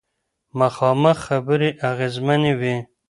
مخامخ خبرې اغیزمنې وي.